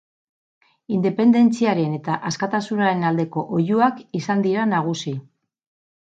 Independentziaren eta askatasunaren aldeko oihuak izan dira nagusi.